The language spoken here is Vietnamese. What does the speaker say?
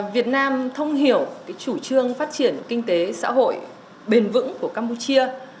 việt nam thông hiểu chủ trương phát triển kinh tế xã hội bền vững của campuchia